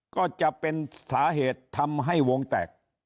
ก็จะเป็นสาเหตุทำให้วงแตก